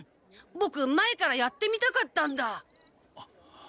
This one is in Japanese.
ボク前からやってみたかったんだ。